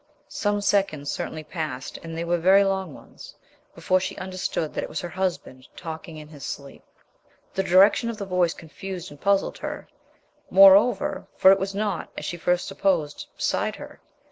Some seconds certainly passed and, they were very long ones before she understood that it was her husband talking in his sleep. The direction of the voice confused and puzzled her, moreover, for it was not, as she first supposed, beside her.